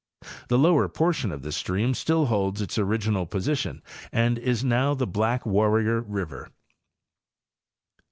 The lower por tion of this stream still holds its original position and is now the Black Warrior river.